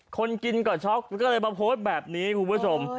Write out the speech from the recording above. คนกินก็ช็อกก็เลยมาโพสต์แบบนี้คุณผู้ชม